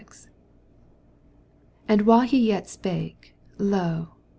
47 And whQe he yet spake, lo.